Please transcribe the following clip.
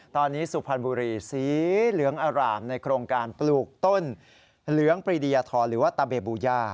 ตอนนี้สุพรรณบุรีสีเหลืองอร่ามในโครงการปลูกต้นเหลืองปรีดียทรหรือว่าตะเบบูย่า